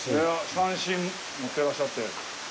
三線、持ってらっしゃって。